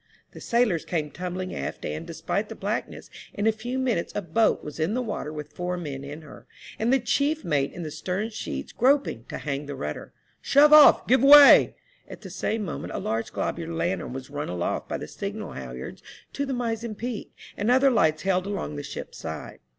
The sailors came tumbling aft, and, despite the black ness, in a few minutes a boat was in the water with four men in her, and the chief mate in the stern sheets grop ing to hang the rudder. Shove off— give way 1 At the same moment a large globular lantern was run aloft by the signal halliards to the mizen peak, and other lights held along the ship's side.